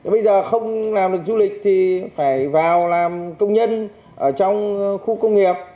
bây giờ không làm được du lịch thì phải vào làm công nhân ở trong khu công nghiệp